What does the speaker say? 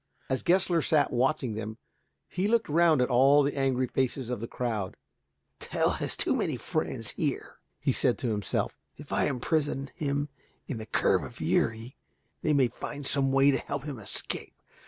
As Gessler sat watching them, he looked round at all the angry faces of the crowd. "Tell has too many friends here," he said to himself. "If I imprison him in the Curb of Uri, they may find some way to help him to escape.